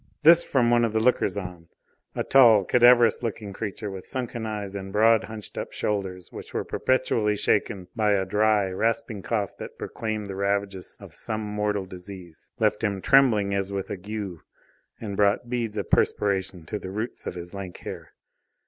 This from one of the lookers on, a tall, cadaverous looking creature, with sunken eyes and broad, hunched up shoulders, which were perpetually shaken by a dry, rasping cough that proclaimed the ravages of some mortal disease, left him trembling as with ague and brought beads of perspiration to the roots of his lank hair.